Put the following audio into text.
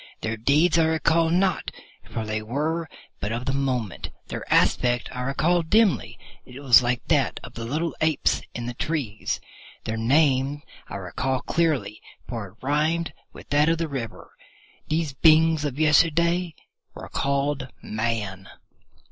Their deeds I recall not, for they were but of the moment. Their aspect I recall dimly, for it was like to that of the little apes in the trees. Their name I recall clearly, for it rhymed with that of the river. These beings of yesterday were called Man."